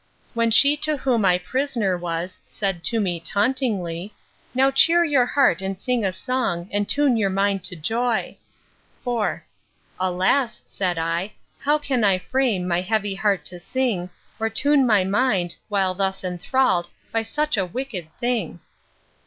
Then she to whom I pris'ner was, Said to me, tauntingly, Now cheer your heart, and sing a song And tune your mind to joy. IV. Alas! said I, how can I frame My heavy heart to sing, Or tune my mind, while thus enthrall'd By such a wicked thing!